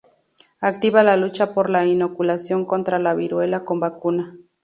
Activa la lucha por la inoculación contra la viruela con vacuna.